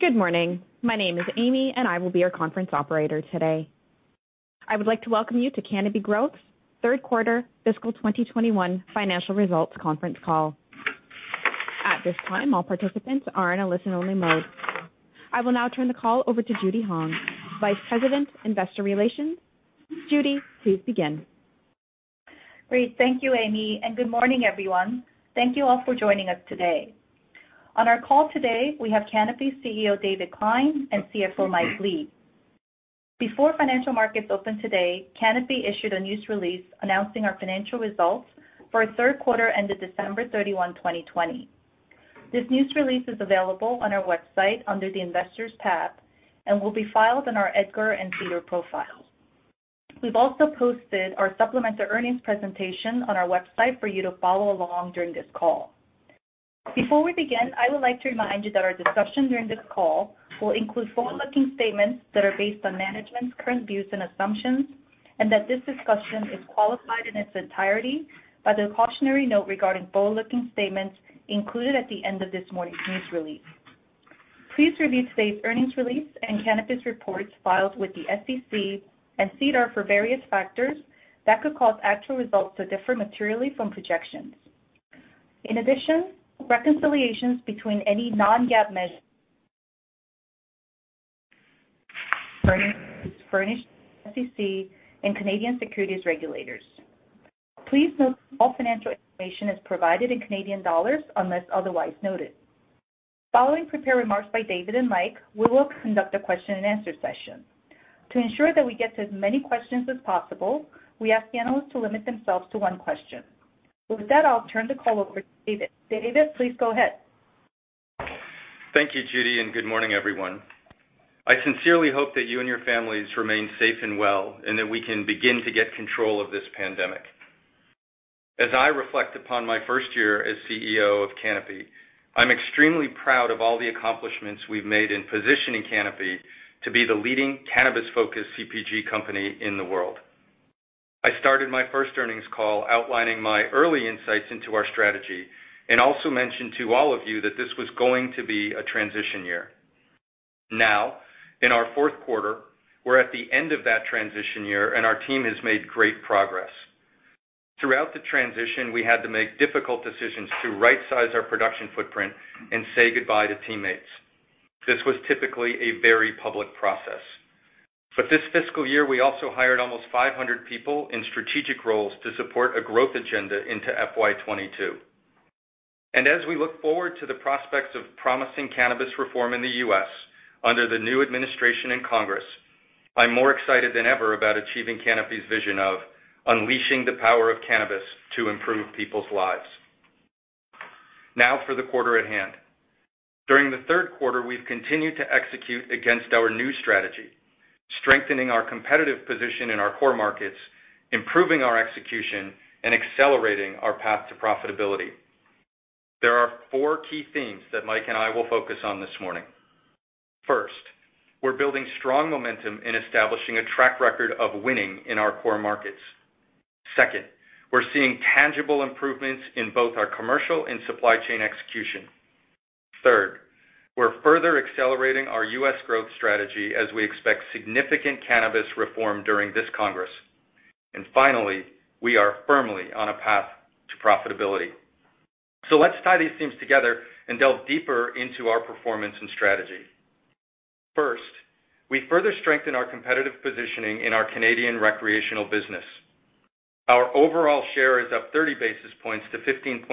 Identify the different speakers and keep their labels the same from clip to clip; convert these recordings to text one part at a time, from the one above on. Speaker 1: Good morning. My name is Amy, and I will be your conference operator today. I would like to welcome you to Canopy Growth's Third Quarter Fiscal 2021 Financial Results Conference Call. At this time, all participants are in a listen-only mode. I will now turn the call over to Judy Hong, Vice President, Investor Relations. Judy, please begin.
Speaker 2: Great. Thank you, Amy. Good morning, everyone. Thank you all for joining us today. On our call today, we have Canopy CEO, David Klein, and CFO, Mike Lee. Before financial markets open today, Canopy issued a news release announcing our financial results for a third quarter ended December 31, 2020. This news release is available on our website under the Investors tab and will be filed in our EDGAR and SEDAR profiles. We've also posted our supplemental earnings presentation on our website for you to follow along during this call. Before we begin, I would like to remind you that our discussion during this call will include forward-looking statements that are based on management's current views and assumptions, and that this discussion is qualified in its entirety by the cautionary note regarding forward-looking statements included at the end of this morning's news release. Please review today's earnings release and Canopy's reports filed with the SEC and SEDAR for various factors that could cause actual results to differ materially from projections. In addition, reconciliations between any non-GAAP measure furnished SEC and Canadian securities regulators. Please note all financial information is provided in Canadian dollars unless otherwise noted. Following prepared remarks by David and Mike, we will conduct a question and answer session. To ensure that we get to as many questions as possible, we ask the analysts to limit themselves to one question. With that, I'll turn the call over to David. David, please go ahead.
Speaker 3: Thank you, Judy. Good morning, everyone. I sincerely hope that you and your families remain safe and well, and that we can begin to get control of this pandemic. As I reflect upon my first year as CEO of Canopy, I'm extremely proud of all the accomplishments we've made in positioning Canopy to be the leading cannabis-focused CPG company in the world. I started my first earnings call outlining my early insights into our strategy and also mentioned to all of you that this was going to be a transition year. Now, in our fourth quarter, we're at the end of that transition year, and our team has made great progress. Throughout the transition, we had to make difficult decisions to rightsize our production footprint and say goodbye to teammates. This was typically a very public process. This fiscal year, we also hired almost 500 people in strategic roles to support a growth agenda into FY 2022. As we look forward to the prospects of promising cannabis reform in the U.S. under the new administration and Congress, I'm more excited than ever about achieving Canopy's vision of unleashing the power of cannabis to improve people's lives. Now for the quarter at hand. During the third quarter, we've continued to execute against our new strategy, strengthening our competitive position in our core markets, improving our execution, and accelerating our path to profitability. There are four key themes that Mike and I will focus on this morning. First, we're building strong momentum in establishing a track record of winning in our core markets. Second, we're seeing tangible improvements in both our commercial and supply chain execution. Third, we're further accelerating our U.S. growth strategy as we expect significant cannabis reform during this Congress. Finally, we are firmly on a path to profitability. Let's tie these themes together and delve deeper into our performance and strategy. First, we further strengthen our competitive positioning in our Canadian recreational business. Our overall share is up 30 basis points to 15.7%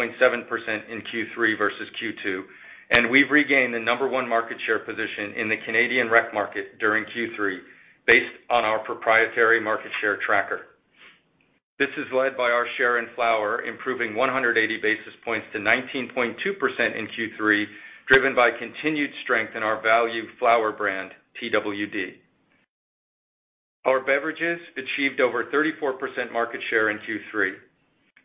Speaker 3: in Q3 versus Q2, and we've regained the number one market share position in the Canadian rec market during Q3 based on our proprietary market share tracker. This is led by our share in flower improving 180 basis points to 19.2% in Q3, driven by continued strength in our value flower brand, Twd. Our beverages achieved over 34% market share in Q3.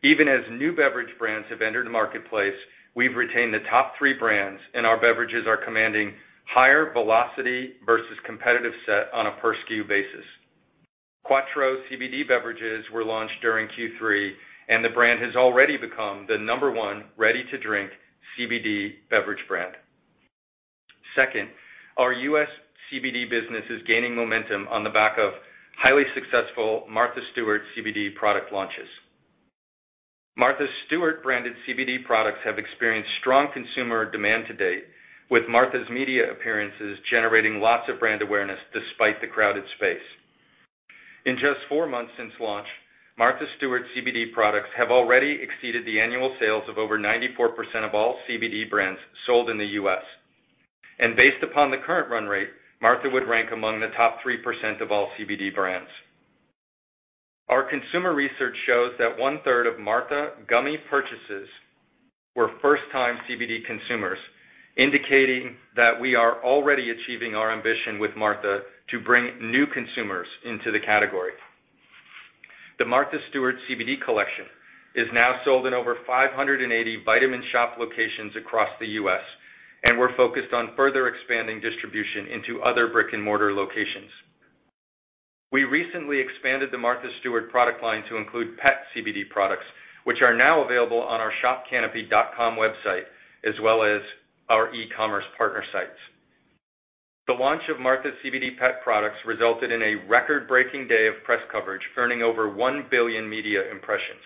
Speaker 3: Even as new beverage brands have entered the marketplace, we've retained the top three brands, and our beverages are commanding higher velocity versus competitive set on a per SKU basis. Quatreau CBD beverages were launched during Q3, and the brand has already become the number one ready-to-drink CBD beverage brand. Second, our U.S. CBD business is gaining momentum on the back of highly successful Martha Stewart CBD product launches. Martha Stewart-branded CBD products have experienced strong consumer demand to date, with Martha's media appearances generating lots of brand awareness despite the crowded space. In just four months since launch, Martha Stewart CBD products have already exceeded the annual sales of over 94% of all CBD brands sold in the U.S. Based upon the current run rate, Martha would rank among the top 3% of all CBD brands. Our consumer research shows that 1/3 of Martha gummy purchases were first-time CBD consumers, indicating that we are already achieving our ambition with Martha to bring new consumers into the category. The Martha Stewart CBD collection is now sold in over 580 The Vitamin Shoppe locations across the U.S. We're focused on further expanding distribution into other brick-and-mortar locations. We recently expanded the Martha Stewart product line to include pet CBD products, which are now available on our shopcanopy.com website, as well as our e-commerce partner sites. The launch of Martha's CBD pet products resulted in a record-breaking day of press coverage, earning over one billion media impressions.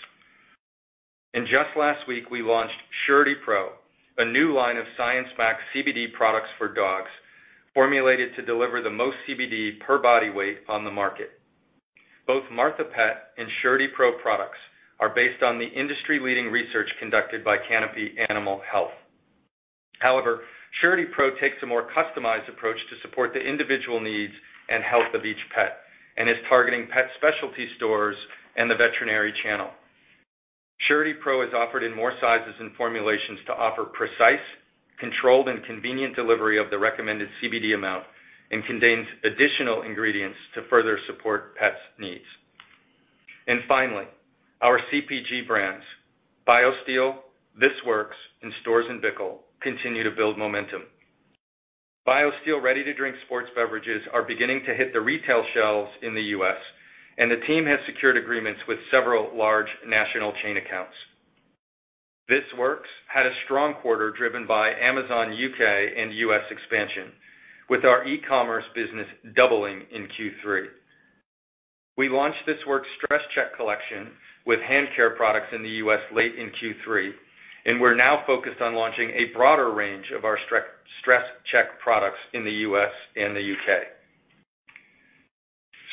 Speaker 3: Just last week, we launched SurityPro, a new line of science-backed CBD products for dogs formulated to deliver the most CBD per body weight on the market. Both Martha Stewart CBD and SurityPro products are based on the industry-leading research conducted by Canopy Animal Health. SurityPro takes a more customized approach to support the individual needs and health of each pet and is targeting pet specialty stores and the veterinary channel. SurityPro is offered in more sizes and formulations to offer precise, controlled, and convenient delivery of the recommended CBD amount and contains additional ingredients to further support pets' needs. Finally, our CPG brands, BioSteel, This Works, and Storz & Bickel, continue to build momentum. BioSteel ready-to-drink sports beverages are beginning to hit the retail shelves in the U.S., and the team has secured agreements with several large national chain accounts. This Works had a strong quarter driven by Amazon U.K. and U.S. expansion, with our e-commerce business doubling in Q3. We launched This Works Stress Check collection with hand care products in the U.S. late in Q3, and we're now focused on launching a broader range of our Stress Check products in the U.S. and the U.K.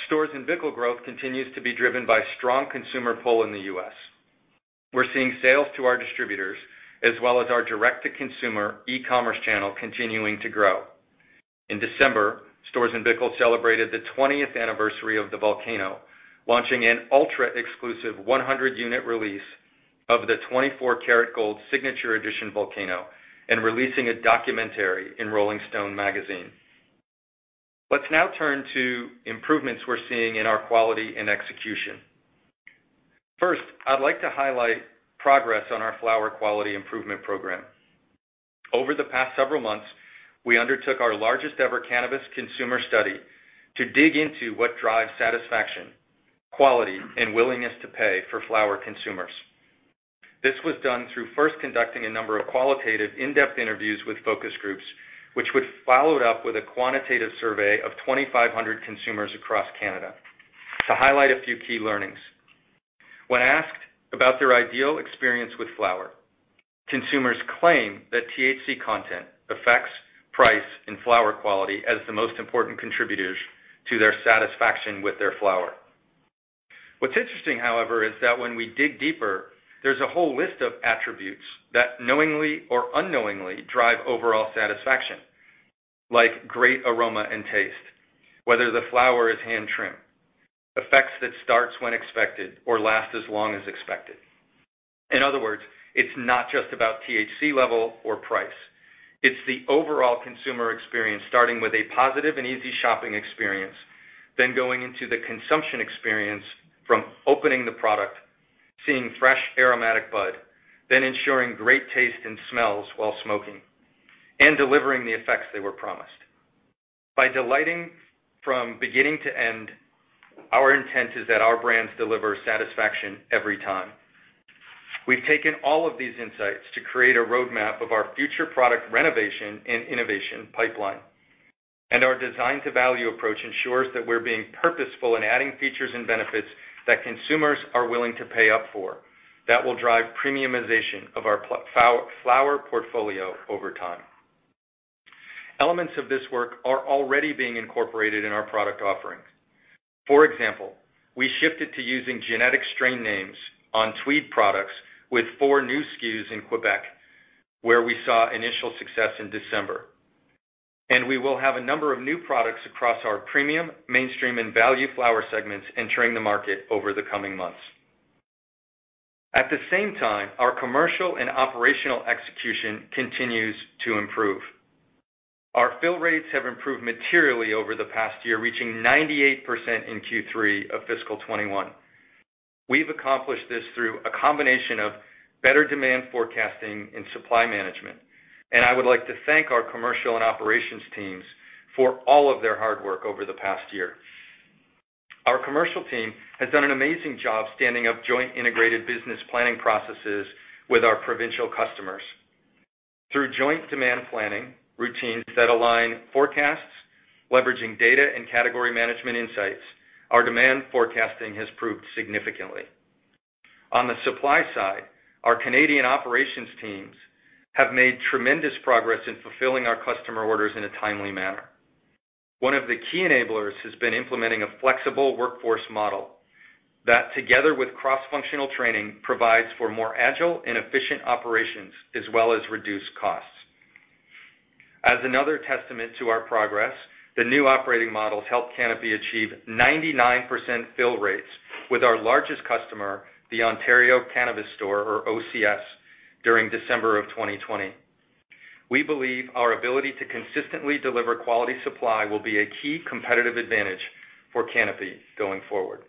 Speaker 3: Storz & Bickel growth continues to be driven by strong consumer pull in the U.S. We're seeing sales to our distributors as well as our direct-to-consumer e-commerce channel continuing to grow. In December, Storz & Bickel celebrated the 20th anniversary of the VOLCANO, launching an ultra-exclusive 100-unit release of the 24-carat gold signature edition VOLCANO and releasing a documentary in Rolling Stone magazine. Let's now turn to improvements we're seeing in our quality and execution. First, I'd like to highlight progress on our flower quality improvement program. Over the past several months, we undertook our largest-ever cannabis consumer study to dig into what drives satisfaction, quality, and willingness to pay for flower consumers. This was done through first conducting a number of qualitative in-depth interviews with focus groups, which was followed up with a quantitative survey of 2,500 consumers across Canada. To highlight a few key learnings. When asked about their ideal experience with flower, consumers claim that THC content, effects, price, and flower quality as the most important contributors to their satisfaction with their flower. What's interesting, however, is that when we dig deeper, there's a whole list of attributes that knowingly or unknowingly drive overall satisfaction, like great aroma and taste, whether the flower is hand-trimmed, effects that starts when expected or last as long as expected. In other words, it's not just about THC level or price. It's the overall consumer experience, starting with a positive and easy shopping experience, then going into the consumption experience from opening the product, seeing fresh aromatic bud, then ensuring great taste and smells while smoking, and delivering the effects they were promised. By delighting from beginning to end, our intent is that our brands deliver satisfaction every time. We taking all of this insight to create a roadmap of our future product and innovation pipeline. Our design-to-value approach ensures that we're being purposeful in adding features and benefits that consumers are willing to pay up for that will drive premiumization of our flower portfolio over time. Elements of this work are already being incorporated in our product offerings. For example, we shifted to using genetic strain names on Tweed products with four new SKUs in Quebec, where we saw initial success in December. We will have a number of new products across our premium, mainstream, and value flower segments entering the market over the coming months. At the same time, our commercial and operational execution continues to improve. Our fill rates have improved materially over the past year, reaching 98% in Q3 of FY 2021. We've accomplished this through a combination of better demand forecasting and supply management, and I would like to thank our commercial and operations teams for all of their hard work over the past year. Our commercial team has done an amazing job standing up joint integrated business planning processes with our provincial customers. Through joint demand planning routines that align forecasts, leveraging data, and category management insights, our demand forecasting has improved significantly. On the supply side, our Canadian operations teams have made tremendous progress in fulfilling our customer orders in a timely manner. One of the key enablers has been implementing a flexible workforce model that, together with cross-functional training, provides for more agile and efficient operations as well as reduced costs. As another testament to our progress, the new operating models helped Canopy achieve 99% fill rates with our largest customer, the Ontario Cannabis Store, or OCS, during December of 2020. We believe our ability to consistently deliver quality supply will be a key competitive advantage for Canopy going forward.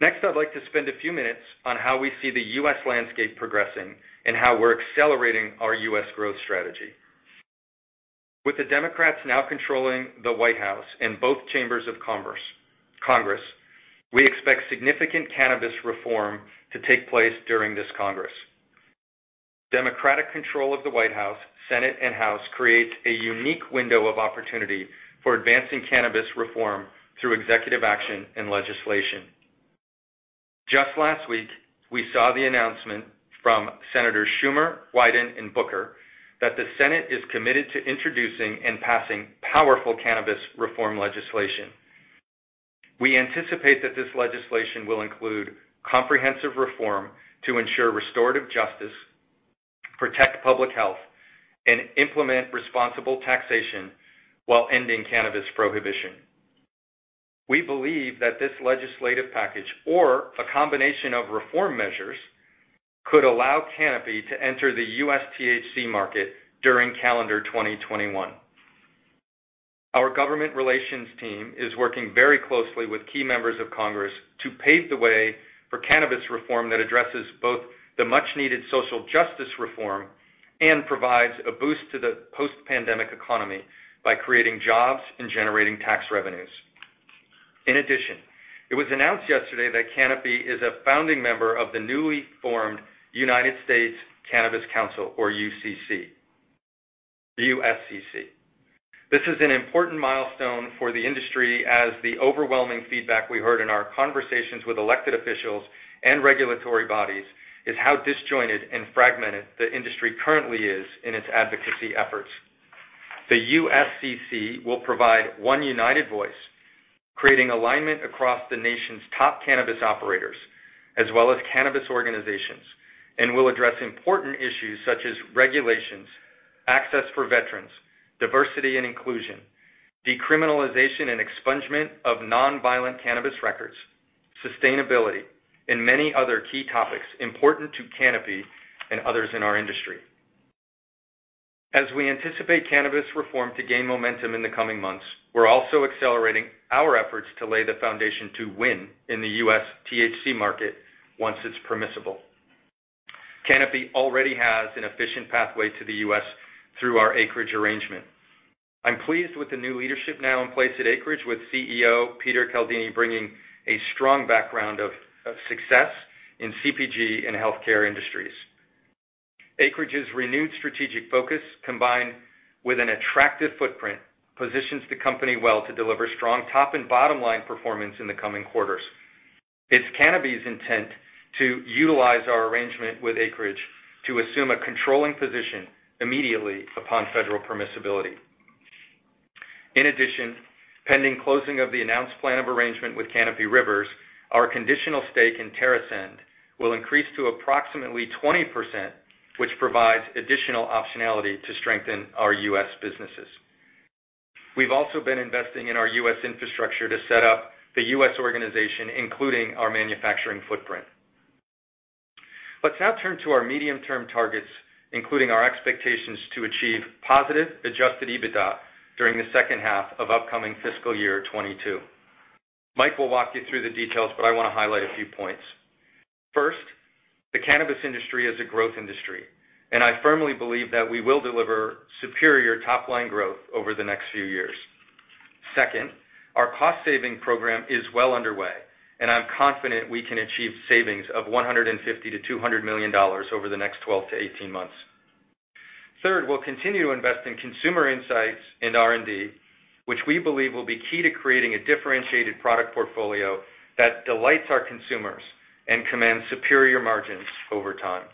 Speaker 3: Next, I'd like to spend a few minutes on how we see the U.S. landscape progressing and how we're accelerating our U.S. growth strategy. With the Democrats now controlling the White House and both chambers of Congress, we expect significant cannabis reform to take place during this Congress. Democratic control of the White House, Senate, and House creates a unique window of opportunity for advancing cannabis reform through executive action and legislation. Just last week, we saw the announcement from Senators Schumer, Wyden, and Booker that the Senate is committed to introducing and passing powerful cannabis reform legislation. We anticipate that this legislation will include comprehensive reform to ensure restorative justice, protect public health, and implement responsible taxation while ending cannabis prohibition. We believe that this legislative package, or a combination of reform measures, could allow Canopy to enter the U.S. THC market during calendar 2021. Our government relations team is working very closely with key members of Congress to pave the way for cannabis reform that addresses both the much-needed social justice reform and provides a boost to the post-pandemic economy by creating jobs and generating tax revenues. In addition, it was announced yesterday that Canopy is a founding member of the newly formed United States Cannabis Council, or USCC. This is an important milestone for the industry as the overwhelming feedback we heard in our conversations with elected officials and regulatory bodies is how disjointed and fragmented the industry currently is in its advocacy efforts. The USCC will provide one united voice, creating alignment across the nation's top cannabis operators as well as cannabis organizations, and will address important issues such as regulations, access for veterans, diversity and inclusion, decriminalization and expungement of non-violent cannabis records, sustainability, and many other key topics important to Canopy and others in our industry. As we anticipate cannabis reform to gain momentum in the coming months, we're also accelerating our efforts to lay the foundation to win in the U.S. THC market once it's permissible. Canopy already has an efficient pathway to the U.S. through our Acreage arrangement. I'm pleased with the new leadership now in place at Acreage with CEO Peter Caldini bringing a strong background of success in CPG and healthcare industries. Acreage's renewed strategic focus, combined with an attractive footprint, positions the company well to deliver strong top and bottom-line performance in the coming quarters. It's Canopy's intent to utilize our arrangement with Acreage to assume a controlling position immediately upon federal permissibility. In addition, pending closing of the announced plan of arrangement with Canopy Rivers, our conditional stake in TerrAscend will increase to approximately 20%, which provides additional optionality to strengthen our U.S. businesses. We've also been investing in our U.S. infrastructure to set up the U.S. organization, including our manufacturing footprint. Let's now turn to our medium-term targets, including our expectations to achieve positive adjusted EBITDA during the second half of upcoming FY 2022. Mike will walk you through the details. I want to highlight a few points. First, the cannabis industry is a growth industry. I firmly believe that we will deliver superior top-line growth over the next few years. Second, our cost-saving program is well underway. I'm confident we can achieve savings of 150 million-200 million dollars over the next 12-18 months. Third, we'll continue to invest in consumer insights and R&D, which we believe will be key to creating a differentiated product portfolio that delights our consumers and commands superior margins over time.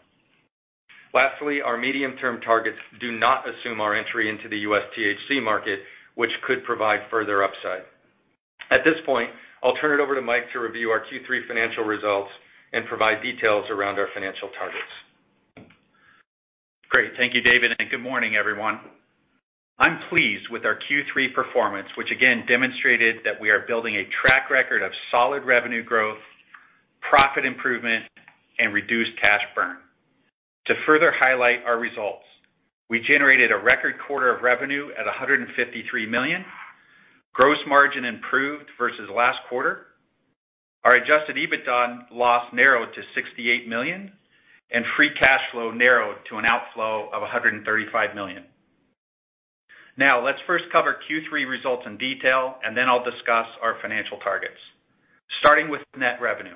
Speaker 3: Lastly, our medium-term targets do not assume our entry into the U.S. THC market, which could provide further upside. At this point, I'll turn it over to Mike to review our Q3 financial results and provide details around our financial targets.
Speaker 4: Great. Thank you, David. Good morning, everyone. I'm pleased with our Q3 performance, which again demonstrated that we are building a track record of solid revenue growth, profit improvement, and reduced cash burn. To further highlight our results, we generated a record quarter of revenue at 153 million. Gross margin improved versus last quarter. Our adjusted EBITDA loss narrowed to 68 million, and free cash flow narrowed to an outflow of 135 million. Let's first cover Q3 results in detail, and then I'll discuss our financial targets. Starting with net revenue,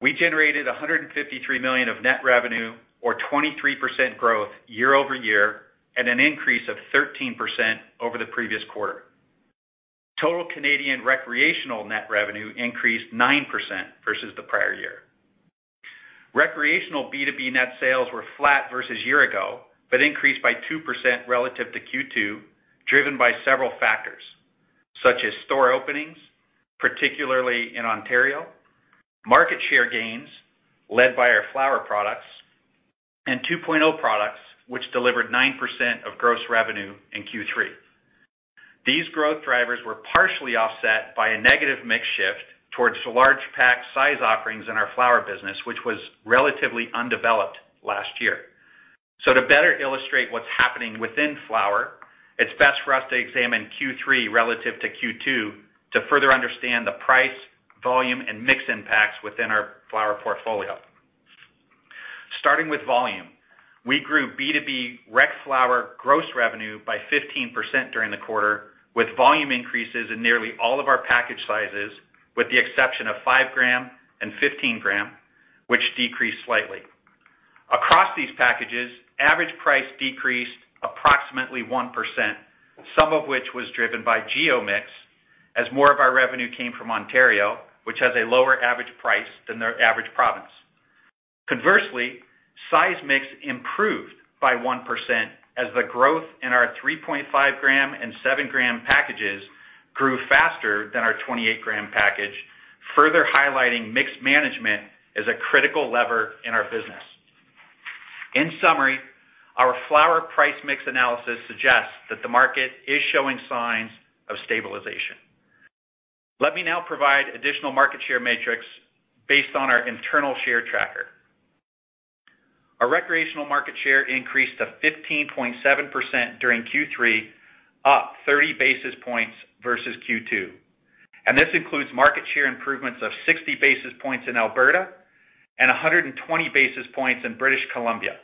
Speaker 4: we generated 153 million of net revenue or 23% growth year-over-year at an increase of 13% over the previous quarter. Total Canadian recreational net revenue increased 9% versus the prior year. Recreational B2B net sales were flat versus year ago, increased by 2% relative to Q2, driven by several factors such as store openings, particularly in Ontario, market share gains led by our flower products, and 2.0 products, which delivered 9% of gross revenue in Q3. These growth drivers were partially offset by a negative mix shift towards large pack size offerings in our flower business, which was relatively undeveloped last year. To better illustrate what's happening within flower, it's best for us to examine Q3 relative to Q2 to further understand the price, volume, and mix impacts within our flower portfolio. Starting with volume, we grew B2B rec flower gross revenue by 15% during the quarter, with volume increases in nearly all of our package sizes, with the exception of 5 g and 15 g, which decreased slightly. Across these packages, average price decreased approximately 1%, some of which was driven by geo mix as more of our revenue came from Ontario, which has a lower average price than the average province. Conversely, size mix improved by 1% as the growth in our 3.5 g and 7 g packages grew faster than our 28 g package, further highlighting mix management as a critical lever in our business. In summary, our flower price mix analysis suggests that the market is showing signs of stabilization. Let me now provide additional market share matrix based on our internal share tracker. Our recreational market share increased to 15.7% during Q3, up 30 basis points versus Q2, and this includes market share improvements of 60 basis points in Alberta and 120 basis points in British Columbia.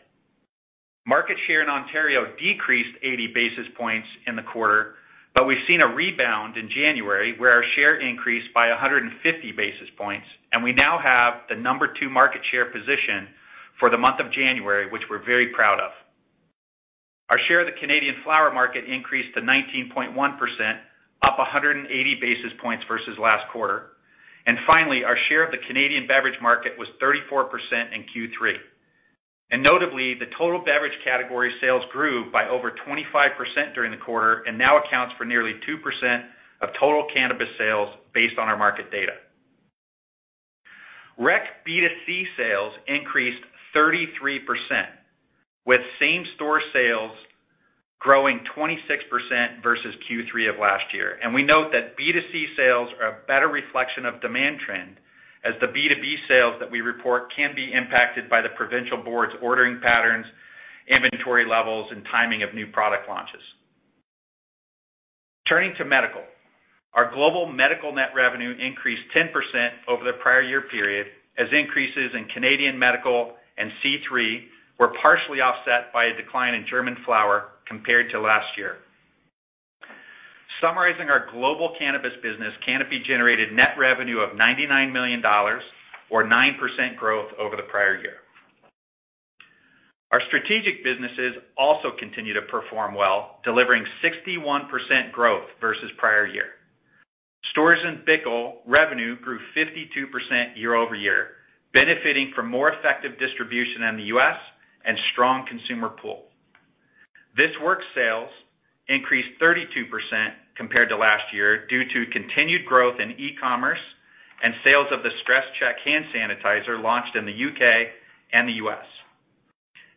Speaker 4: Market share in Ontario decreased 80 basis points in the quarter, but we've seen a rebound in January where our share increased by 150 basis points, and we now have the number two market share position for the month of January, which we're very proud of. Our share of the Canadian flower market increased to 19.1%, up 180 basis points versus last quarter. Finally, our share of the Canadian beverage market was 34% in Q3. Notably, the total beverage category sales grew by over 25% during the quarter and now accounts for nearly 2% of total cannabis sales based on our market data. Rec B2C sales increased 33%, with same store sales growing 26% versus Q3 of last year. We note that B2C sales are a better reflection of demand trend as the B2B sales that we report can be impacted by the provincial boards' ordering patterns, inventory levels, and timing of new product launches. Turning to medical, our global medical net revenue increased 10% over the prior year period as increases in Canadian medical and C³ were partially offset by a decline in German flower compared to last year. Summarizing our global cannabis business, Canopy generated net revenue of 99 million dollars or 9% growth over the prior year. Our strategic businesses also continue to perform well, delivering 61% growth versus prior year. Storz & Bickel revenue grew 52% year-over-year, benefiting from more effective distribution in the U.S. and strong consumer pull. This Works sales increased 32% compared to last year due to continued growth in e-commerce and sales of the Stress Check hand sanitizer launched in the U.K. and the U.S.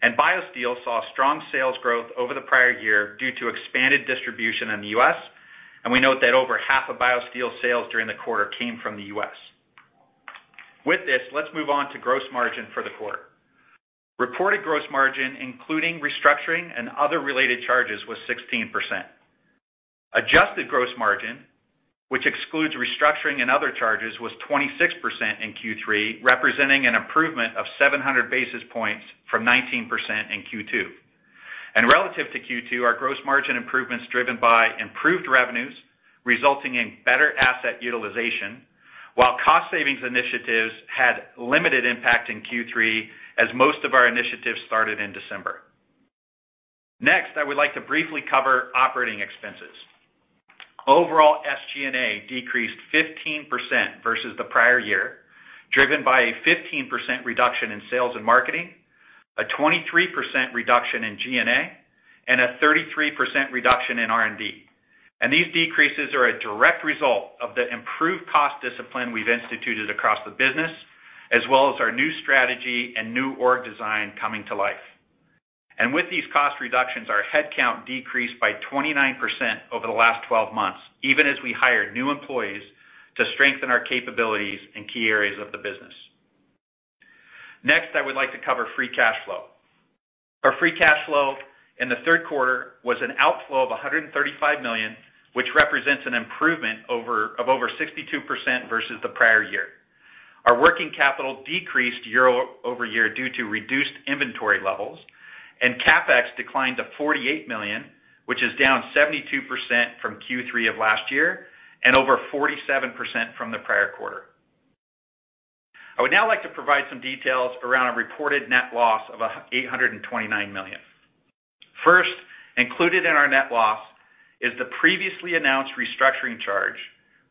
Speaker 4: BioSteel saw strong sales growth over the prior year due to expanded distribution in the U.S., and we note that over half of BioSteel sales during the quarter came from the U.S. With this, let's move on to gross margin for the quarter. Reported gross margin, including restructuring and other related charges, was 16%. Adjusted gross margin, which excludes restructuring and other charges, was 26% in Q3, representing an improvement of 700 basis points from 19% in Q2. Relative to Q2, our gross margin improvements driven by improved revenues resulting in better asset utilization, while cost savings initiatives had limited impact in Q3 as most of our initiatives started in December. Next, I would like to briefly cover operating expenses. Overall, SG&A decreased 15% versus the prior year, driven by a 15% reduction in sales and marketing, a 23% reduction in G&A, and a 33% reduction in R&D. These decreases are a direct result of the improved cost discipline we've instituted across the business, as well as our new strategy and new org design coming to life. With these cost reductions, our headcount decreased by 29% over the last 12 months, even as we hired new employees to strengthen our capabilities in key areas of the business. Next, I would like to cover free cash flow. Our free cash flow in the third quarter was an outflow of 135 million, which represents an improvement of over 62% versus the prior-year. Our working capital decreased year-over-year due to reduced inventory levels, and CapEx declined to 48 million, which is down 72% from Q3 of last year and over 47% from the prior quarter. I would now like to provide some details around a reported net loss of 829 million. First, included in our net loss is the previously announced restructuring charge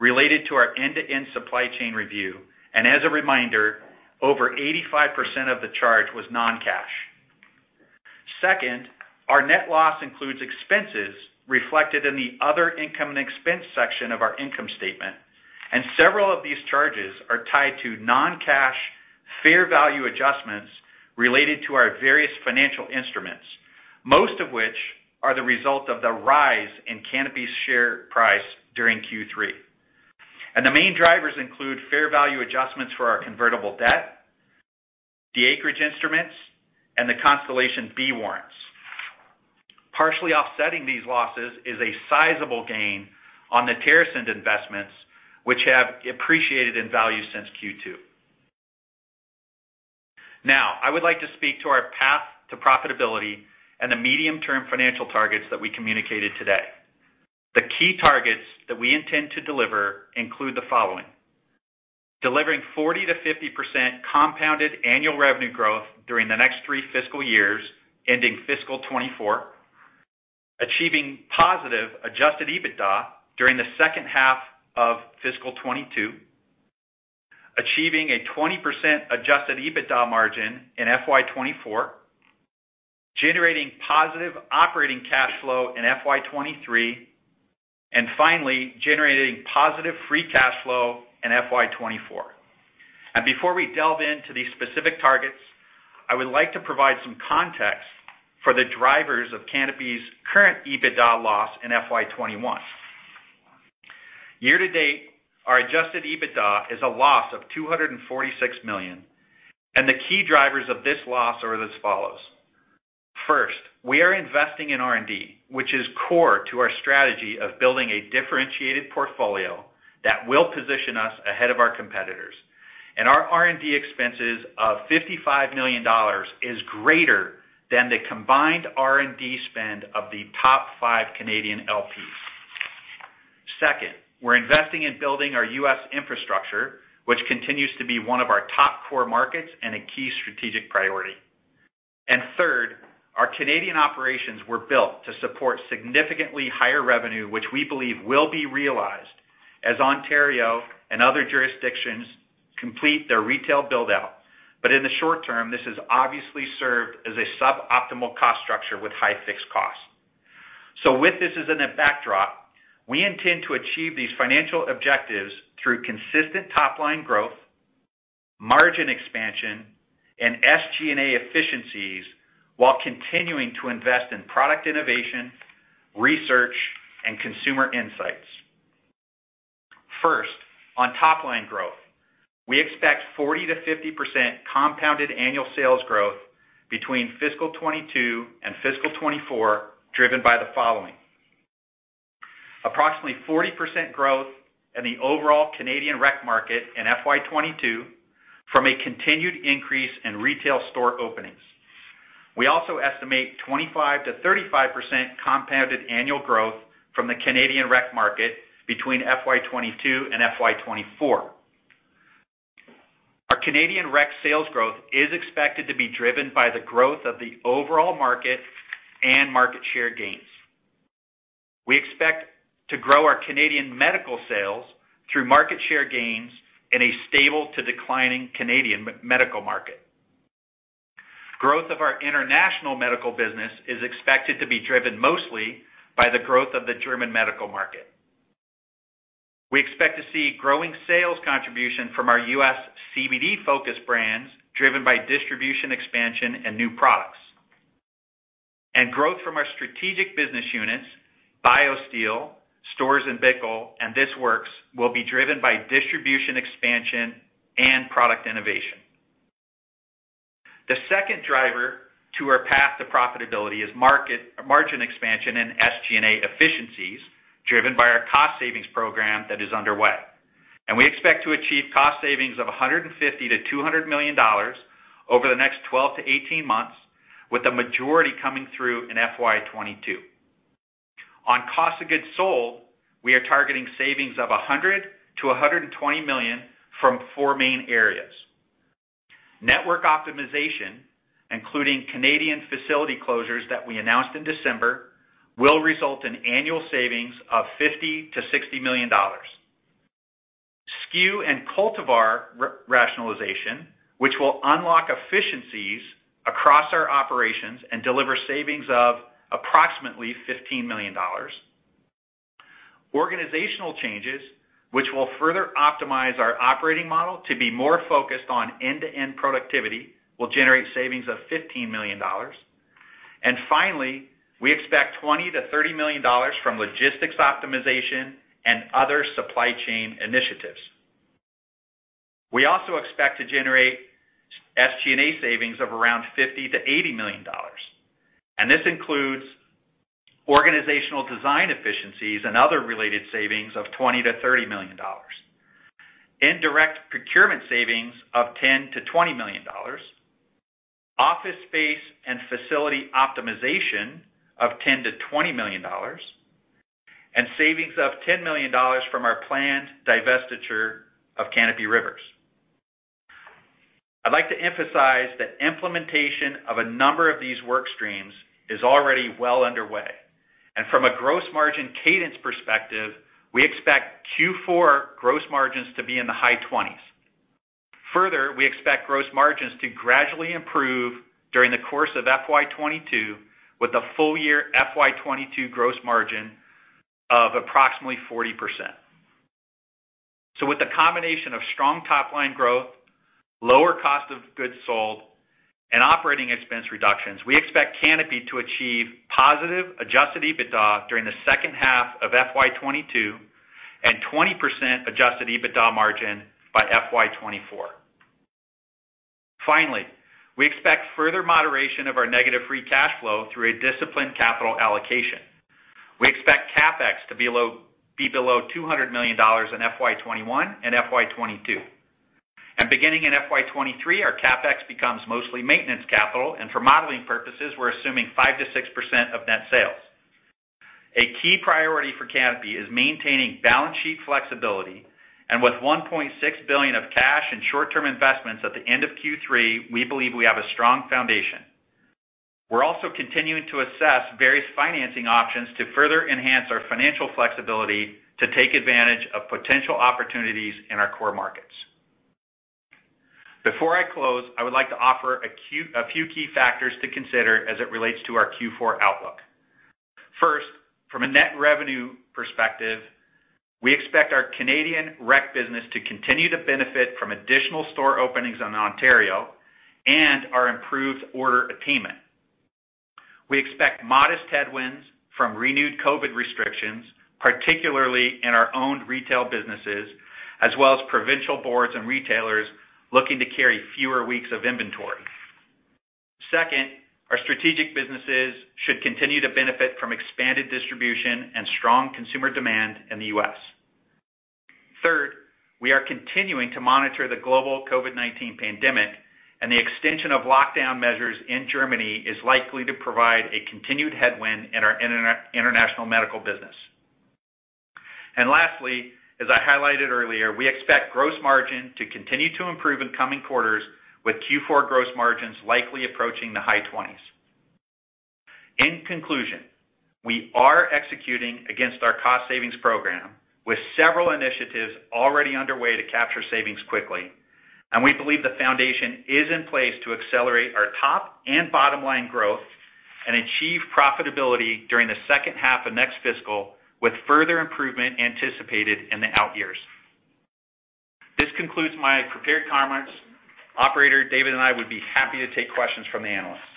Speaker 4: related to our end-to-end supply chain review. As a reminder, over 85% of the charge was non-cash. Second, our net loss includes expenses reflected in the other income and expense section of our income statement, and several of these charges are tied to non-cash, fair value adjustments related to our various financial instruments, most of which are the result of the rise in Canopy's share price during Q3. The main drivers include fair value adjustments for our convertible debt, the Acreage instruments, and the Constellation B warrants. Partially offsetting these losses is a sizable gain on the TerrAscend investments, which have appreciated in value since Q2. Now, I would like to speak to our path to profitability and the medium-term financial targets that we communicated today. The key targets that we intend to deliver include the following. Delivering 40%-50% compounded annual revenue growth during the next three fiscal years, ending fiscal 2024. Achieving positive adjusted EBITDA during the second half of fiscal 2022. Achieving a 20% adjusted EBITDA margin in FY 2024. Generating positive operating cash flow in FY 2023, and finally, generating positive free cash flow in FY 2024. Before we delve into these specific targets, I would like to provide some context for the drivers of Canopy's current EBITDA loss in FY 2021. Year to date, our adjusted EBITDA is a loss of 246 million, and the key drivers of this loss are as follows. First, we are investing in R&D, which is core to our strategy of building a differentiated portfolio that will position us ahead of our competitors. Our R&D expenses of 55 million dollars is greater than the combined R&D spend of the top five Canadian LPs. Second, we're investing in building our U.S. infrastructure, which continues to be one of our top core markets and a key strategic priority. Third, our Canadian operations were built to support significantly higher revenue, which we believe will be realized as Ontario and other jurisdictions complete their retail build-out. In the short term, this has obviously served as a suboptimal cost structure with high fixed costs. With this as in a backdrop, we intend to achieve these financial objectives through consistent top-line growth, margin expansion, and SG&A efficiencies while continuing to invest in product innovation, research, and consumer insights. On top-line growth, we expect 40%-50% compounded annual sales growth between fiscal 2022 and fiscal 2024, driven by the following. Approximately 40% growth in the overall Canadian rec market in FY 2022 from a continued increase in retail store openings. We also estimate 25%-35% compounded annual growth from the Canadian rec market between FY 2022 and FY 2024. Our Canadian rec sales growth is expected to be driven by the growth of the overall market and market share gains. We expect to grow our Canadian medical sales through market share gains in a stable to declining Canadian medical market. Growth of our international medical business is expected to be driven mostly by the growth of the German medical market. We expect to see growing sales contribution from our U.S. CBD-focused brands, driven by distribution expansion and new products. Growth from our strategic business units, BioSteel, Storz & Bickel, and This Works, will be driven by distribution expansion and product innovation. The second driver to our path to profitability is margin expansion and SG&A efficiencies driven by our cost savings program that is underway. We expect to achieve cost savings of 150 million-200 million dollars over the next 12-18 months, with the majority coming through in FY 2022. On cost of goods sold, we are targeting savings of 100 million-120 million from four main areas. Network optimization, including Canadian facility closures that we announced in December, will result in annual savings of 50 million-60 million dollars. SKU and cultivar rationalization, which will unlock efficiencies across our operations and deliver savings of approximately 15 million dollars. Organizational changes, which will further optimize our operating model to be more focused on end-to-end productivity, will generate savings of 15 million dollars. Finally, we expect 20 million-30 million dollars from logistics optimization and other supply chain initiatives. We also expect to generate SG&A savings of around 50 million-80 million dollars. This includes organizational design efficiencies and other related savings of 20 million-30 million dollars. Indirect procurement savings of 10 million-20 million dollars, office space and facility optimization of 10 million-20 million dollars, and savings of 10 million dollars from our planned divestiture of Canopy Rivers. I'd like to emphasize that implementation of a number of these work streams is already well underway. From a gross margin cadence perspective, we expect Q4 gross margins to be in the high 20s. Further, we expect gross margins to gradually improve during the course of FY 2022, with a full-year FY 2022 gross margin of approximately 40%. With the combination of strong top-line growth, lower cost of goods sold, and operating expense reductions, we expect Canopy to achieve positive adjusted EBITDA during the second half of FY 2022 and 20% adjusted EBITDA margin by FY 2024. We expect further moderation of our negative free cash flow through a disciplined capital allocation. We expect CapEx to be below 200 million dollars in FY 2021 and FY 2022. Beginning in FY 2023, our CapEx becomes mostly maintenance capital, and for modeling purposes, we're assuming 5%-6% of net sales. A key priority for Canopy is maintaining balance sheet flexibility, and with 1.6 billion of cash and short-term investments at the end of Q3, we believe we have a strong foundation. We're also continuing to assess various financing options to further enhance our financial flexibility to take advantage of potential opportunities in our core markets. Before I close, I would like to offer a few key factors to consider as it relates to our Q4 outlook. First, from a net revenue perspective, we expect our Canadian rec business to continue to benefit from additional store openings in Ontario and our improved order attainment. We expect modest headwinds from renewed COVID restrictions, particularly in our owned retail businesses, as well as provincial boards and retailers looking to carry fewer weeks of inventory. Second, our strategic businesses should continue to benefit from expanded distribution and strong consumer demand in the U.S. Third, we are continuing to monitor the global COVID-19 pandemic, and the extension of lockdown measures in Germany is likely to provide a continued headwind in our international medical business. Lastly, as I highlighted earlier, we expect gross margin to continue to improve in coming quarters with Q4 gross margins likely approaching the high 20s. In conclusion, we are executing against our cost savings program, with several initiatives already underway to capture savings quickly. We believe the foundation is in place to accelerate our top and bottom-line growth and achieve profitability during the second half of next fiscal, with further improvement anticipated in the out years. This concludes my prepared comments. Operator, David and I would be happy to take questions from the analysts.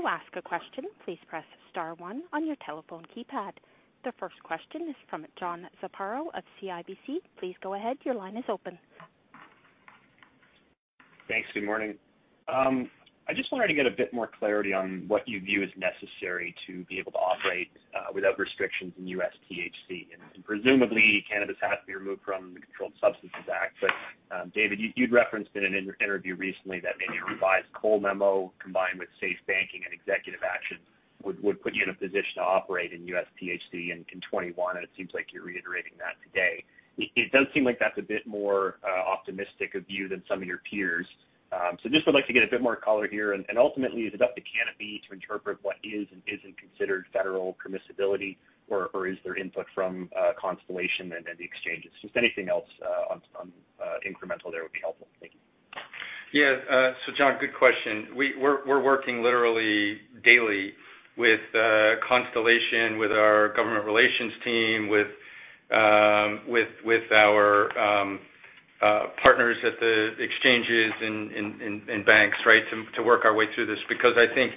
Speaker 1: To ask a question please press star one on your telephone keypad. The first question is from John Zamparo of CIBC. Please go ahead. Your line is open.
Speaker 5: Thanks. Good morning. I just wanted to get a bit more clarity on what you view as necessary to be able to operate without restrictions in U.S. THC. Presumably, cannabis has to be removed from the Controlled Substances Act. David, you'd referenced in an interview recently that maybe a revised Cole Memo combined with SAFE Banking and executive action would put you in a position to operate in U.S. THC in 2021, and it seems like you're reiterating that today. It does seem like that's a bit more optimistic a view than some of your peers. Just would like to get a bit more color here, and ultimately, is it up to Canopy to interpret what is and isn't considered federal permissibility, or is there input from Constellation and the exchanges? Just anything else on incremental there would be helpful. Thank you.
Speaker 3: Yeah. John, good question. We're working literally daily with Constellation, with our government relations team, with our partners at the exchanges and banks, to work our way through this, because I think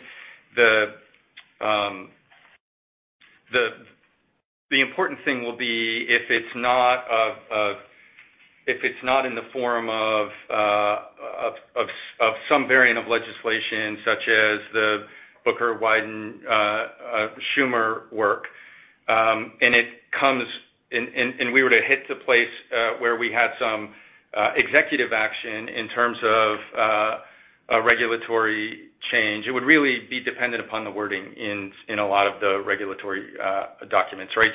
Speaker 3: the important thing will be if it's not in the form of some variant of legislation such as the Booker, Wyden, Schumer work, and we were to hit the place where we had some executive action in terms of regulatory change, it would really be dependent upon the wording in a lot of the regulatory documents, right?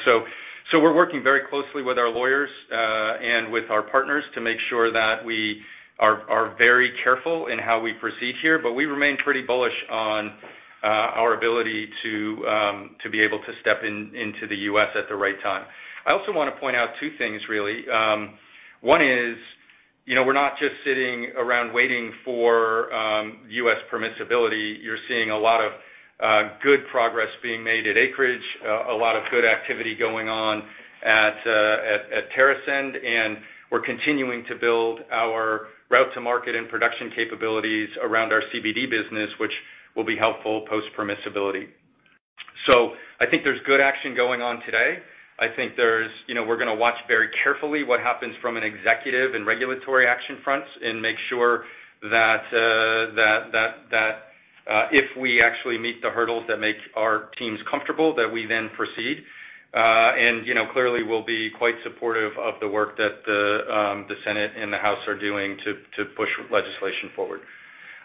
Speaker 3: We're working very closely with our lawyers, and with our partners to make sure that we are very careful in how we proceed here, but we remain pretty bullish on our ability to be able to step into the U.S. at the right time. I also want to point out two things, really. One is, we're not just sitting around waiting for U.S. permissibility. You're seeing a lot of good progress being made at Acreage, a lot of good activity going on at TerrAscend, and we're continuing to build our route to market and production capabilities around our CBD business, which will be helpful post-permissibility. I think there's good action going on today. I think we're going to watch very carefully what happens from an executive and regulatory action fronts and make sure that if we actually meet the hurdles that make our teams comfortable, that we then proceed. Clearly, we'll be quite supportive of the work that the Senate and the House are doing to push legislation forward.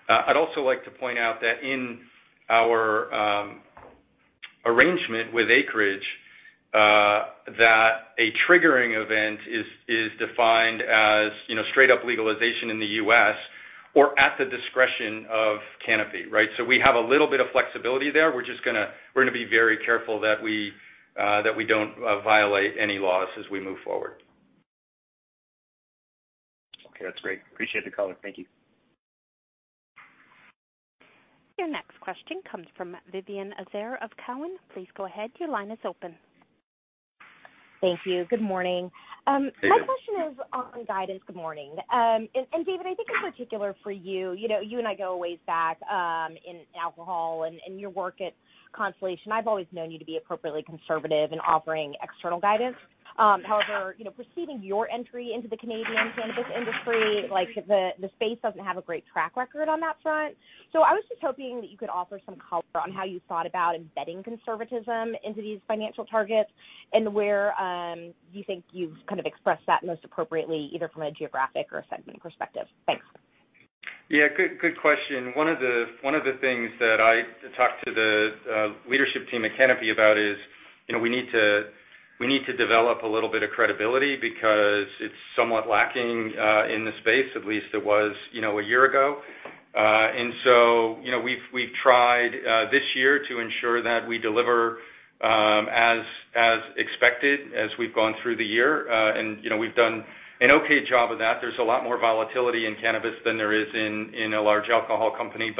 Speaker 3: I'd also like to point out that in our arrangement with Acreage, that a triggering event is defined as straight up legalization in the U.S. At the discretion of Canopy, right? We have a little bit of flexibility there. We're going to be very careful that we don't violate any laws as we move forward.
Speaker 5: Okay, that's great. Appreciate the call. Thank you.
Speaker 1: Your next question comes from Vivien Azer of TD Cowen. Please go ahead, your line is open.
Speaker 6: Thank you. Good morning.
Speaker 3: Hey, Vivien.
Speaker 6: My question is on guidance. Good morning. David, I think in particular for you and I go a ways back, in alcohol and your work at Constellation. I've always known you to be appropriately conservative in offering external guidance. However, preceding your entry into the Canadian cannabis industry, the space doesn't have a great track record on that front. I was just hoping that you could offer some color on how you thought about embedding conservatism into these financial targets and where you think you've kind of expressed that most appropriately, either from a geographic or a segment perspective. Thanks.
Speaker 3: Yeah, good question. One of the things that I talked to the leadership team at Canopy about is, we need to develop a little bit of credibility because it's somewhat lacking in the space, at least it was a year ago. We've tried this year to ensure that we deliver as expected as we've gone through the year. We've done an okay job of that. There's a lot more volatility in cannabis than there is in a large alcohol company.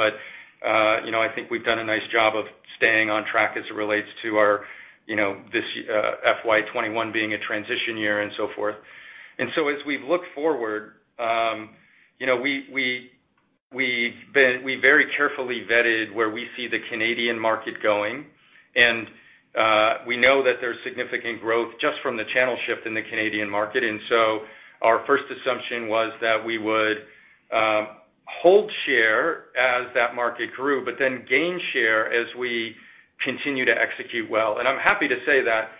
Speaker 3: I think we've done a nice job of staying on track as it relates to our FY 2021 being a transition year and so forth. As we've looked forward, we very carefully vetted where we see the Canadian market going, and we know that there's significant growth just from the channel shift in the Canadian market. Our first assumption was that we would hold share as that market grew, but then gain share as we continue to execute well. I'm happy to say that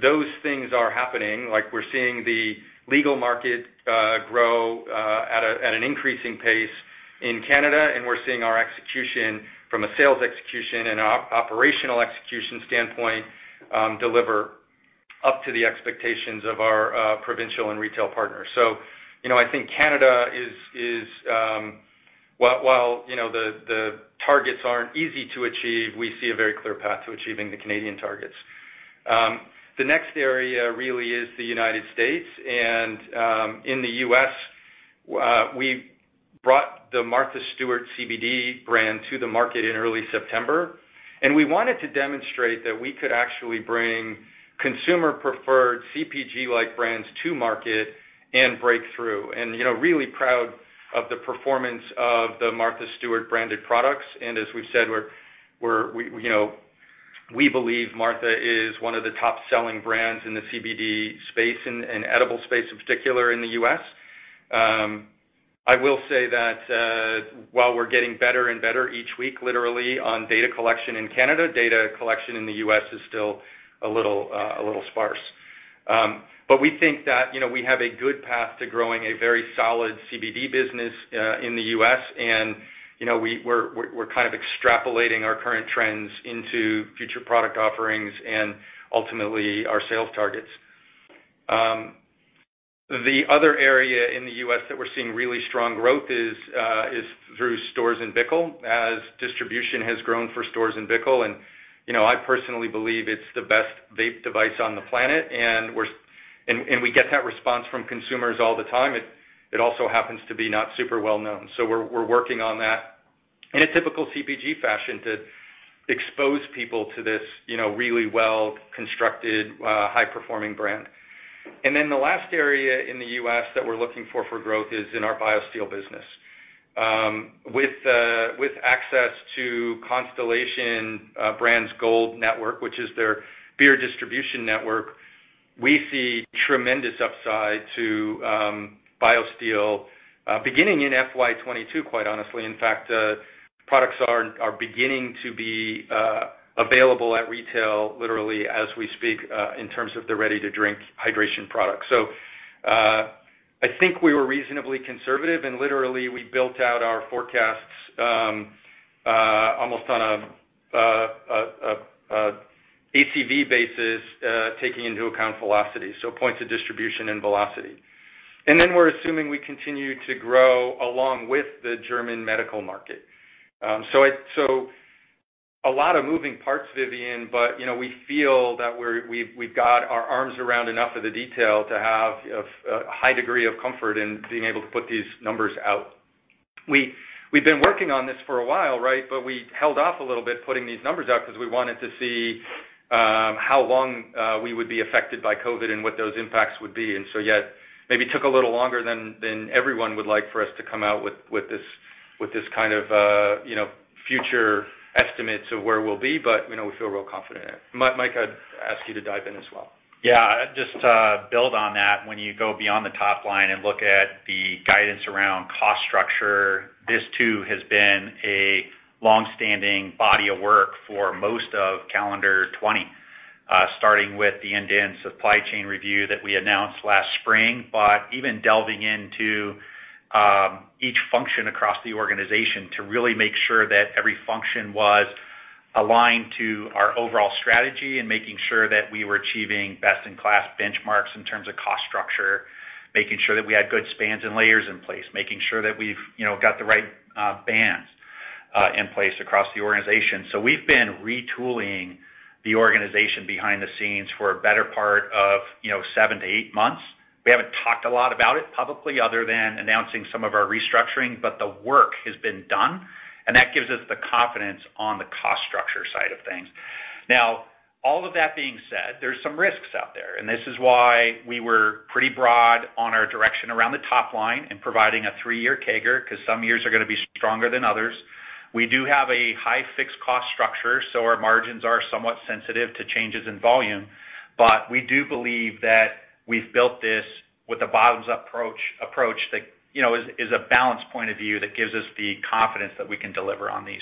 Speaker 3: those things are happening. We're seeing the legal market grow at an increasing pace in Canada, and we're seeing our execution from a sales execution and operational execution standpoint, deliver up to the expectations of our provincial and retail partners. I think Canada is while the targets aren't easy to achieve, we see a very clear path to achieving the Canadian targets. The next area really is the United States, and in the U.S., we brought the Martha Stewart CBD brand to the market in early September, and we wanted to demonstrate that we could actually bring consumer preferred CPG-like brands to market and break through. Really proud of the performance of the Martha Stewart branded products. As we've said, we believe Martha is one of the top-selling brands in the CBD space and edible space in particular in the U.S. I will say that, while we're getting better and better each week, literally on data collection in Canada, data collection in the U.S. is still a little sparse. We think that we have a good path to growing a very solid CBD business in the U.S., and we're kind of extrapolating our current trends into future product offerings and ultimately our sales targets. The other area in the U.S. that we're seeing really strong growth is through Storz & Bickel, as distribution has grown for Storz & Bickel, and I personally believe it's the best vape device on the planet, and we get that response from consumers all the time. It also happens to be not super well known. We're working on that in a typical CPG fashion to expose people to this really well-constructed, high-performing brand. The last area in the U.S. that we're looking for growth is in our BioSteel business. With access to Constellation Brands Gold Network, which is their beer distribution network, we see tremendous upside to BioSteel, beginning in FY 2022, quite honestly. In fact, products are beginning to be available at retail literally as we speak, in terms of the ready-to-drink hydration products. I think we were reasonably conservative, and literally we built out our forecasts almost on a ACV basis, taking into account velocity, so points of distribution and velocity. We're assuming we continue to grow along with the German medical market. A lot of moving parts, Vivien, but we feel that we've got our arms around enough of the detail to have a high degree of comfort in being able to put these numbers out. We've been working on this for a while, right? We held off a little bit putting these numbers out because we wanted to see how long we would be affected by COVID and what those impacts would be. yet, maybe took a little longer than everyone would like for us to come out with this kind of future estimates of where we'll be, but we feel real confident in it. Mike, I'd ask you to dive in as well.
Speaker 4: Yeah. Just to build on that, when you go beyond the top line and look at the guidance around cost structure, this too has been a longstanding body of work for most of calendar 2020, starting with the end-to-end supply chain review that we announced last spring, but even delving into each function across the organization to really make sure that every function was aligned to our overall strategy and making sure that we were achieving best-in-class benchmarks in terms of cost structure, making sure that we had good spans and layers in place, making sure that we've got the right bands in place across the organization. We've been retooling the organization behind the scenes for a better part of seven to eight months. We haven't talked a lot about it publicly, other than announcing some of our restructuring, but the work has been done, and that gives us the confidence on the cost structure side of things. All of that being said, there's some risks out there, and this is why we were pretty broad on our direction around the top line in providing a three-year CAGR, because some years are going to be stronger than others. We do have a high fixed cost structure, so our margins are somewhat sensitive to changes in volume. We do believe that we've built this with a bottoms-up approach that is a balanced point of view that gives us the confidence that we can deliver on these.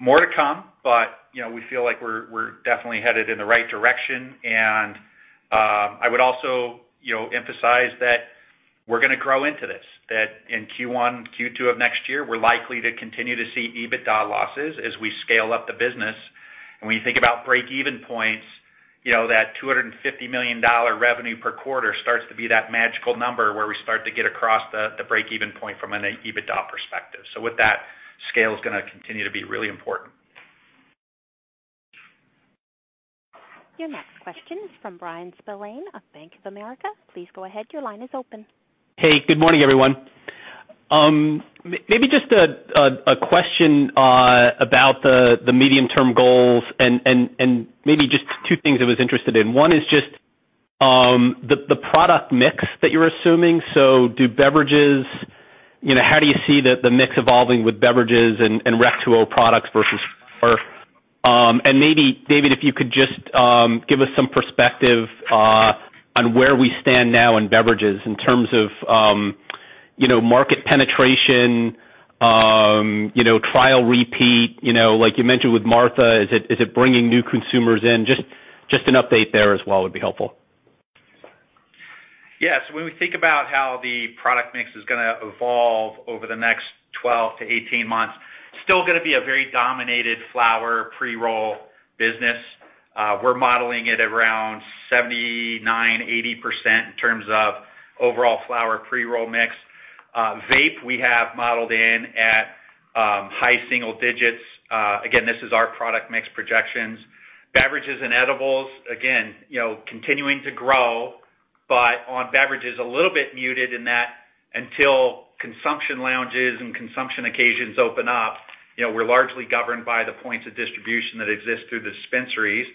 Speaker 4: More to come, but we feel like we're definitely headed in the right direction. I would also emphasize that we're going to grow into this, that in Q1, Q2 of next year, we're likely to continue to see EBITDA losses as we scale up the business. When you think about break-even points, that 250 million dollar revenue per quarter starts to be that magical number where we start to get across the break-even point from an EBITDA perspective. With that, scale is going to continue to be really important.
Speaker 1: Your next question is from Bryan Spillane of Bank of America. Please go ahead, your line is open.
Speaker 7: Hey, good morning, everyone. Maybe just a question about the medium-term goals and maybe just two things I was interested in. One is just the product mix that you're assuming. How do you see the mix evolving with beverages and Cannabis 2.0 products versus flower? Maybe, David, if you could just give us some perspective on where we stand now in beverages in terms of market penetration, trial repeat. Like you mentioned with Martha, is it bringing new consumers in? Just an update there as well would be helpful.
Speaker 4: Yes. When we think about how the product mix is going to evolve over the next 12-18 months, still going to be a very dominated flower, pre-roll business. We're modeling it around 79%, 80% in terms of overall flower pre-roll mix. Vape, we have modeled in at high single digits. Again this our product mix projection. Beverages on beverages, a little bit muted in that until consumption lounges and consumption occasions open up, we're largely governed by the points of distribution that exist through dispensaries.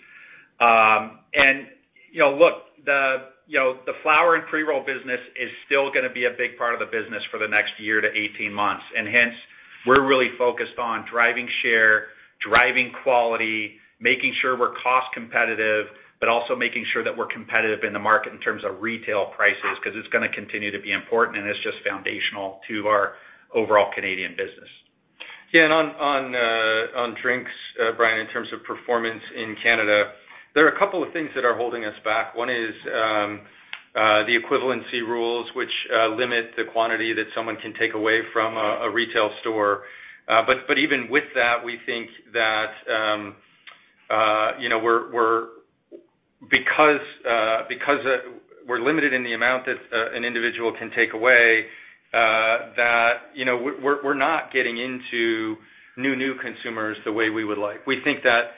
Speaker 4: Look, the flower and pre-roll business is still going to be a big part of the business for the next year to 18 months. Hence, we're really focused on driving share, driving quality, making sure we're cost competitive, but also making sure that we're competitive in the market in terms of retail prices, because it's going to continue to be important, and it's just foundational to our overall Canadian business.
Speaker 3: Yeah, on drinks, Bryan, in terms of performance in Canada, there are a couple of things that are holding us back. One is the equivalency rules, which limit the quantity that someone can take away from a retail store. Even with that, we think that because we're limited in the amount that an individual can take away, that we're not getting into new consumers the way we would like. We think that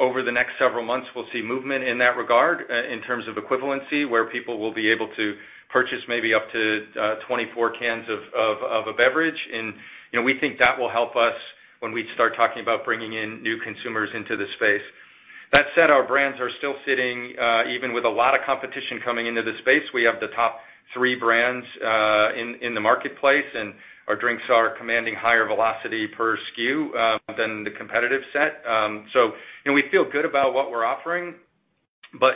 Speaker 3: over the next several months, we'll see movement in that regard in terms of equivalency, where people will be able to purchase maybe up to 24 cans of a beverage. We think that will help us when we start talking about bringing in new consumers into the space. That said, our brands are still sitting, even with a lot of competition coming into the space, we have the top three brands in the marketplace, and our drinks are commanding higher velocity per SKU than the competitive set. We feel good about what we're offering, but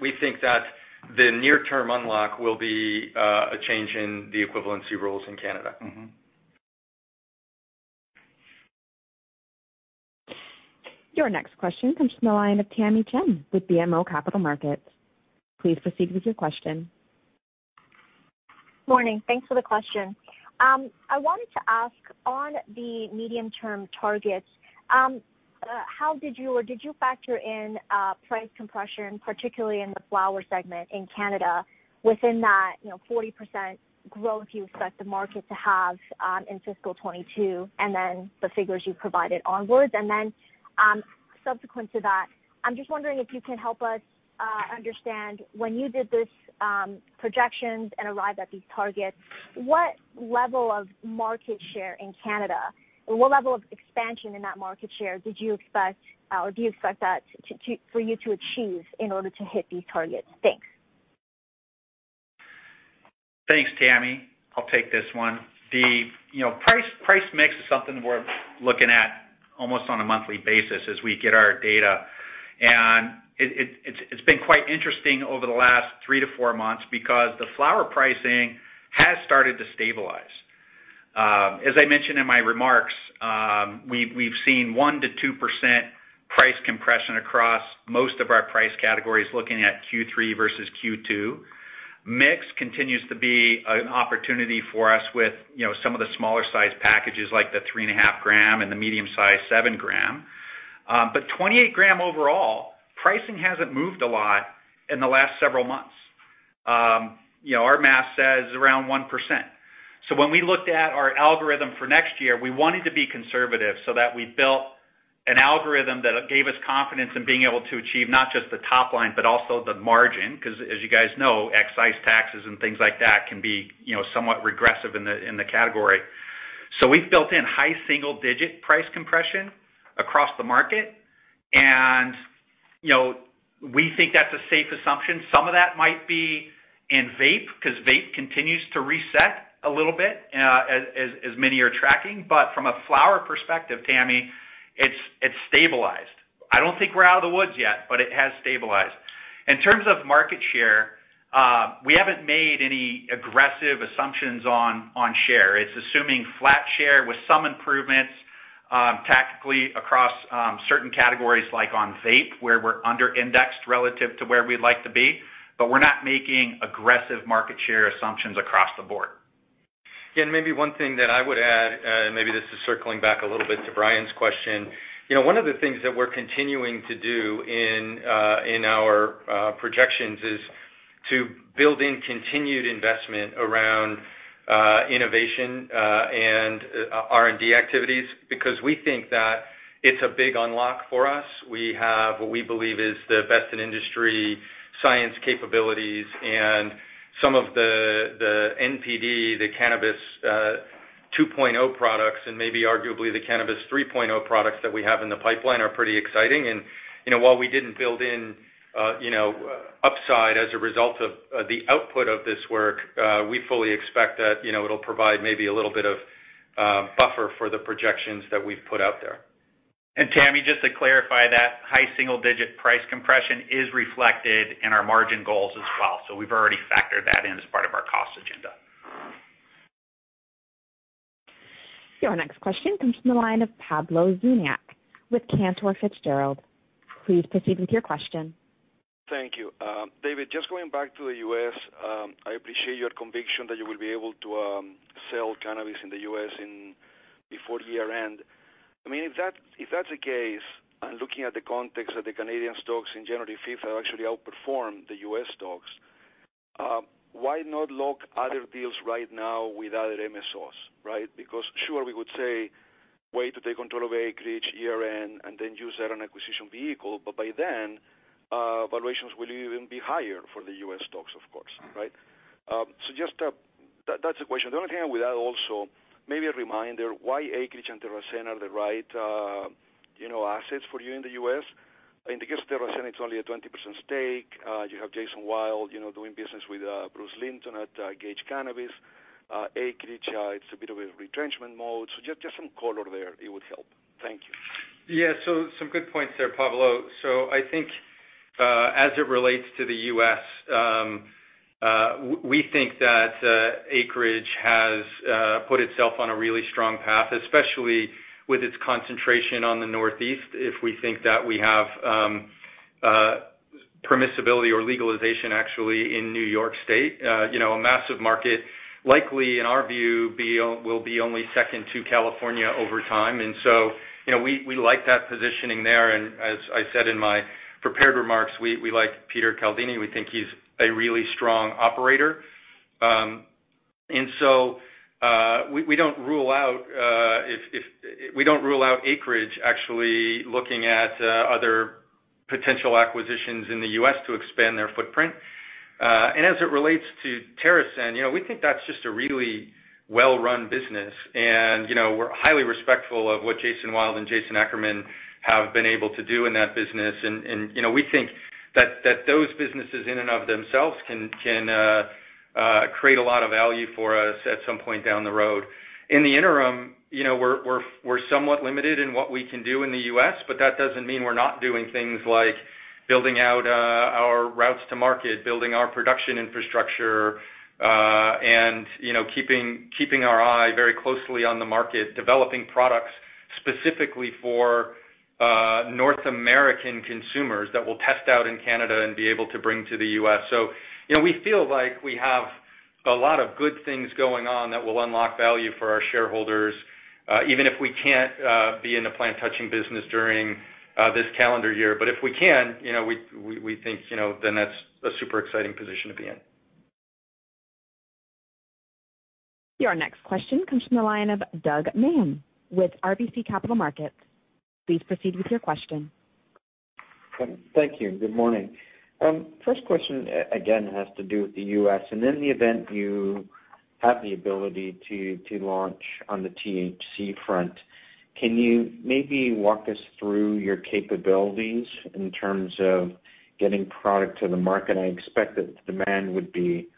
Speaker 3: we think that the near-term unlock will be a change in the equivalency rules in Canada.
Speaker 1: Your next question comes from the line of Tamy Chen with BMO Capital Markets. Please proceed with your question.
Speaker 8: Morning. Thanks for the question. I wanted to ask, on the medium-term targets, how did you, or did you factor in price compression, particularly in the flower segment in Canada, within that 40% growth you expect the market to have in FY 2022, and then the figures you provided onwards? Subsequent to that, I'm just wondering if you can help us understand, when you did these projections and arrived at these targets, what level of market share in Canada, and what level of expansion in that market share did you expect, or do you expect that for you to achieve in order to hit these targets? Thanks.
Speaker 4: Thanks, Tamy. I'll take this one. The price mix is something we're looking at almost on a monthly basis as we get our data. It's been quite interesting over the last three to four months because the flower pricing has started to stabilize. As I mentioned in my remarks, we've seen 1%-2% price comp across most of our price categories, looking at Q3 versus Q2. Mix continues to be an opportunity for us with some of the smaller size packages, like the 3.5 g and the medium 7 g. 28 g overall, pricing hasn't moved a lot in the last several months. Our math says around 1%. When we looked at our algorithm for next year, we wanted to be conservative so that we built an algorithm that gave us confidence in being able to achieve not just the top line, but also the margin, because as you guys know, excise taxes and things like that can be somewhat regressive in the category. We've built in high single-digit price compression across the market, and we think that's a safe assumption. Some of that might be in vape, because vape continues to reset a little bit, as many are tracking. From a flower perspective, Tamy, it's stabilized. I don't think we're out of the woods yet, but it has stabilized. In terms of market share, we haven't made any aggressive assumptions on share. It's assuming flat share with some improvements tactically across certain categories, like on vape, where we're under-indexed relative to where we'd like to be. We're not making aggressive market share assumptions across the board.
Speaker 3: Maybe one thing that I would add, maybe this is circling back a little bit to Bryan Spillane's question. One of the things that we're continuing to do in our projections is to build in continued investment around innovation and R&D activities, because we think that it's a big unlock for us. We have what we believe is the best in industry science capabilities and some of the NPD, the Cannabis 2.0 products and maybe arguably the Cannabis 3.0 products that we have in the pipeline are pretty exciting. While we didn't build in upside as a result of the output of this work, we fully expect that it'll provide maybe a little bit of buffer for the projections that we've put out there.
Speaker 4: Tamy, just to clarify, that high single-digit price compression is reflected in our margin goals as well. We've already factored that in as part of our cost agenda.
Speaker 1: Your next question comes from the line of Pablo Zuanic with Cantor Fitzgerald. Please proceed with your question.
Speaker 9: Thank you. David, just going back to the U.S., I appreciate your conviction that you will be able to sell cannabis in the U.S. before year-end. If that's the case, looking at the context of the Canadian stocks in January 15th that actually outperformed the U.S. stocks, why not lock other deals right now with other MSOs? Right? Sure, we would say, wait to take control of Acreage year-end, then use that on acquisition vehicle. By then, valuations will even be higher for the U.S. stocks, of course. Right? Just that's the question. Again, with that also, maybe a reminder why Acreage and TerrAscend are the right assets for you in the U.S. In the case of TerrAscend, it's only a 20% stake. You have Jason Wild doing business with Bruce Linton at Gage Cannabis. Acreage, it's a bit of a retrenchment mode. Just some color there, it would help. Thank you.
Speaker 3: Yeah. Some good points there, Pablo. I think, as it relates to the U.S., we think that Acreage has put itself on a really strong path, especially with its concentration on the Northeast, if we think that we have permissibility or legalization, actually, in New York State. A massive market, likely in our view, will be only second to California over time. We like that positioning there, and as I said in my prepared remarks, we like Peter Caldini. We think he's a really strong operator. We don't rule out Acreage actually looking at other potential acquisitions in the U.S. to expand their footprint. As it relates to TerrAscend, we think that's just a really well-run business, and we're highly respectful of what Jason Wild and Jason Ackerman have been able to do in that business. We think that those businesses in and of themselves can create a lot of value for us at some point down the road. In the interim, we're somewhat limited in what we can do in the U.S., that doesn't mean we're not doing things like building out our routes to market, building our production infrastructure, and keeping our eye very closely on the market, developing products specifically for North American consumers that we'll test out in Canada and be able to bring to the U.S. We feel like we have a lot of good things going on that will unlock value for our shareholders, even if we can't be in the plant touching business during this calendar year. If we can, we think then that's a super exciting position to be in.
Speaker 1: Your next question comes from the line of Doug Miehm with RBC Capital Markets. Please proceed with your question.
Speaker 10: Thank you. Good morning. First question, again, has to do with the U.S., and in the event you have the ability to launch on the THC front, can you maybe walk us through your capabilities in terms of getting product to the market? I expect that the demand would be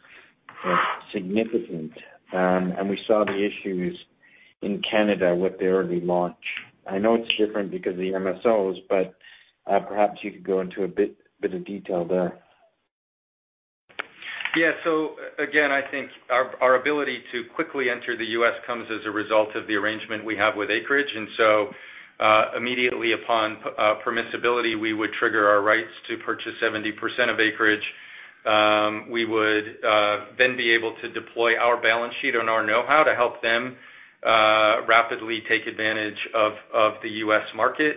Speaker 10: significant. We saw the issues in Canada with their relaunch. I know it's different because of the MSOs, but perhaps you could go into a bit of detail there.
Speaker 3: Yeah. Again, I think our ability to quickly enter the U.S. comes as a result of the arrangement we have with Acreage. Immediately upon permissibility, we would trigger our rights to purchase 70% of Acreage. We would be able to deploy our balance sheet and our knowhow to help them rapidly take advantage of the U.S. market.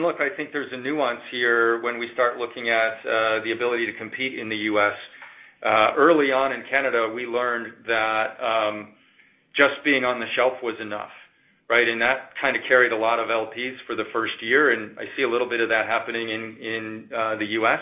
Speaker 3: Look, I think there's a nuance here when we start looking at the ability to compete in the U.S. Early on in Canada, we learned that just being on the shelf was enough, right? That kind of carried a lot of LPs for the first year, and I see a little bit of that happening in the U.S.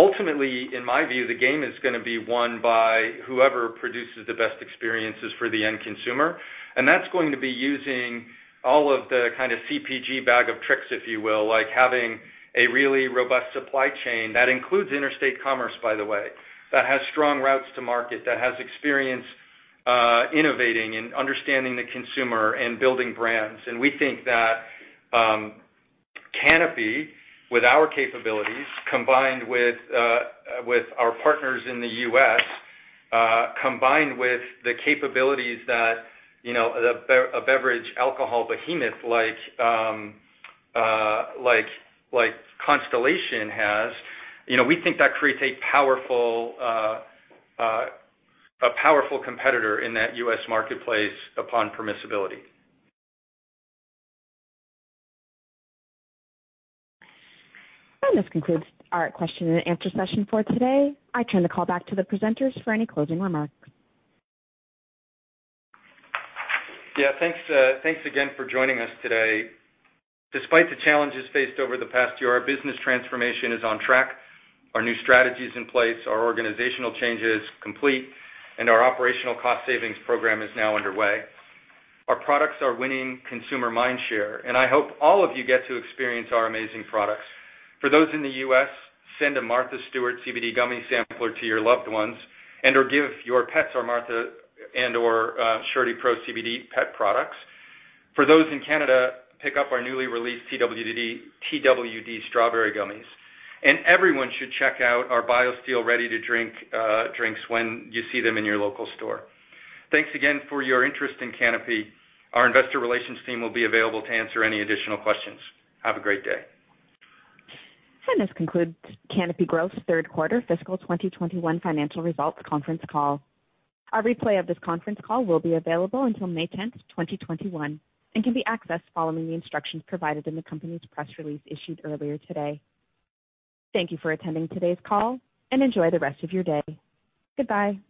Speaker 3: Ultimately, in my view, the game is going to be won by whoever produces the best experiences for the end consumer, and that's going to be using all of the kind of CPG bag of tricks, if you will, like having a really robust supply chain, that includes interstate commerce, by the way. Has strong routes to market, that has experience innovating and understanding the consumer and building brands. We think that Canopy, with our capabilities, combined with our partners in the U.S., combined with the capabilities that a beverage alcohol behemoth like Constellation has, we think that creates a powerful competitor in that U.S. marketplace upon permissibility.
Speaker 1: This concludes our question and answer session for today. I turn the call back to the presenters for any closing remarks.
Speaker 3: Yeah. Thanks again for joining us today. Despite the challenges faced over the past year, our business transformation is on track, our new strategy is in place, our organizational change is complete, and our operational cost savings program is now underway. Our products are winning consumer mind share, and I hope all of you get to experience our amazing products. For those in the U.S., send a Martha Stewart CBD gummy sampler to your loved ones and/or give your pets our Martha and/or SurityPro CBD pet products. For those in Canada, pick up our newly released Twd. strawberry gummies. Everyone should check out our BioSteel ready-to-drink drinks when you see them in your local store. Thanks again for your interest in Canopy. Our investor relations team will be available to answer any additional questions. Have a great day.
Speaker 1: This concludes Canopy Growth third quarter fiscal 2021 financial results conference call. A replay of this conference call will be available until May 10th, 2021, and can be accessed following the instructions provided in the company's press release issued earlier today. Thank you for attending today's call, and enjoy the rest of your day. Goodbye.